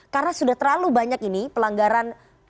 karena sudah terlalu banyak ini pelanggaran